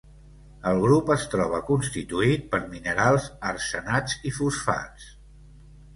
El grup es troba constituït per minerals arsenats i fosfats.